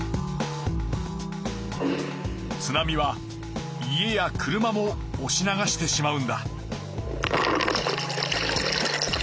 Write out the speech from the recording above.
津波は家や車もおし流してしまうんだ。